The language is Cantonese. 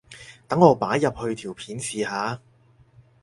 等我擺入去條片試下